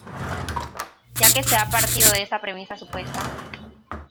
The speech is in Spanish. Ya que se ha partido de esa premisa supuesta.